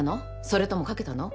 それともかけたの？